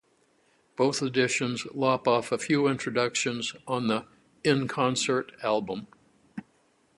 Both editions lop off a few introductions on the "In Concert" album.